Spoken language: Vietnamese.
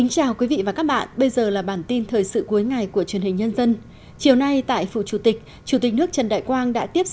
chào mừng quý vị đến với bản tin thời sự cuối ngày của truyền hình nhân dân